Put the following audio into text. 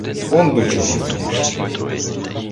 Он до чого ми дійшли!